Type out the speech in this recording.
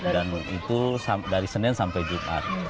dan itu dari senin sampai jumat